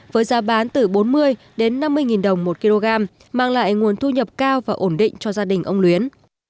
với giá bán từ bốn mươi đến năm mươi nghìn đồng một kg mang lại nguồn thu nhập cao và ổn định cho gia đình ông luyến